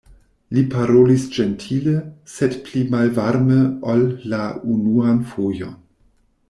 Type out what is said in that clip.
Li parolis ĝentile, sed pli malvarme ol la unuan fojon.